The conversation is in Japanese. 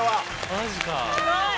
マジか。